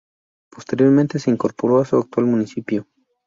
Posteriormente se incorporó a su actual municipio.